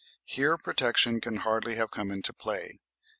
Here protection can hardly have come into play.